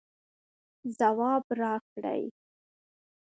ځواب راکړئ